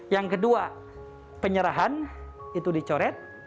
yang kedua penyerahan itu dicoret